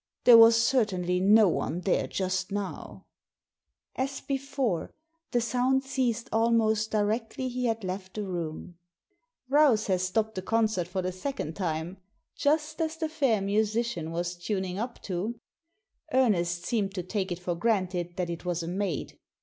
There was certainly no one there just now." H Digitized by VjOOQIC 98 THE SEEN AND THE UNSEEN As before, the sound ceased almost directly he had left the room. "Rouse has stopped the concert for the second time. Just as the fair musician was tuning up too !Ernest seemed to take it for granted that it was a maid.